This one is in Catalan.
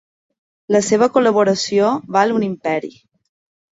La seva col·laboració val un imperi.